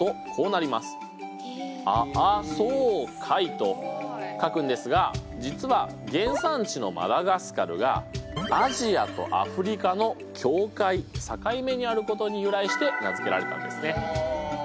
と書くんですが実は原産地のマダガスカルがアジアとアフリカの境界境目にあることに由来して名付けられたんですね。